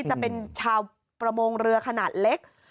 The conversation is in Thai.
จะเป็นชาวประมงเรือขนาดเล็ก